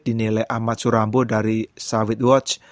dinilai ahmad surambo dari sawit watch